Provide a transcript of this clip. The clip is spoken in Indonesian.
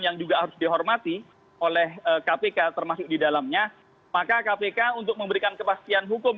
yang juga harus dihormati oleh kpk termasuk di dalamnya maka kpk untuk memberikan kepastian hukum